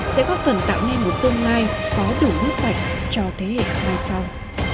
sẽ góp phần tạo nên một tương lai có đủ nước sạch cho thế hệ mai sau